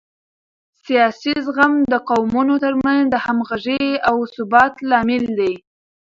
سیاسي زغم د قومونو ترمنځ د همغږۍ او ثبات لامل دی